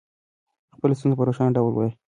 خپله ستونزه په روښانه ډول ووایئ.